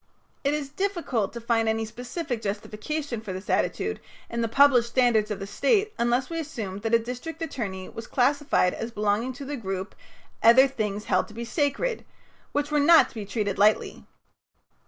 It is difficult to find any specific justification for this attitude in the published standards of the State unless we assume that a district attorney was classified as belonging to the group "other things held to be sacred" which were not to be treated lightly.